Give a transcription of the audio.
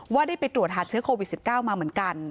ได้ไปตรวจหาเชื้อโควิด๑๙มาเหมือนกัน